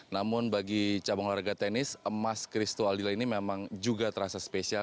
namun bagi cabang olahraga tenis emas christo aldila ini memang juga terasa spesial